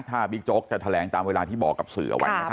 ถ้าบิ๊กโจ๊กจะแถลงตามเวลาที่บอกกับสื่อเอาไว้